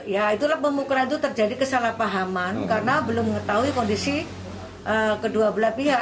ya itulah pemukulan itu terjadi kesalahpahaman karena belum mengetahui kondisi kedua belah pihak